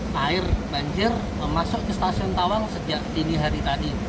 banjir banjir masuk ke stasiun tawang sejak dini hari tadi